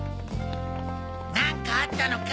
何かあったのか？